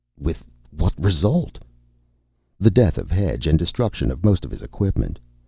"With what result?" "The death of Hedge and destruction of most of his equipment.